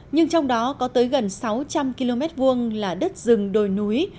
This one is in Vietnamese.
nhưng trong đó có tới gần sáu trăm linh km hai là đất rừng đồi núi